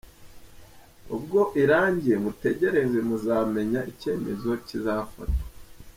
Ubwo irangiye mutegereze muzamenya icyemezo kizafatwa.